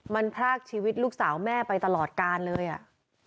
มันพรากชีวิตลูกสาวแม่ไปตลอดกาลเลยอ่ะ